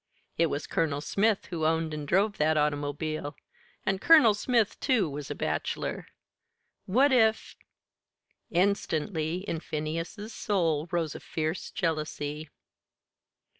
It was Colonel Smith who owned and drove that automobile, and Colonel Smith, too, was a bachelor. What if Instantly in Phineas's soul rose a fierce jealousy.